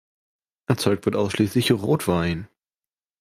Erzeugt wird ausschließlich Rotwein.